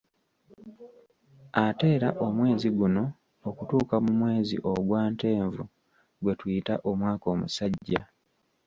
Ate era omwezi guno okutuuka mu mwezi ogwa Ntenvu gwe tuyita omwaka omusajja.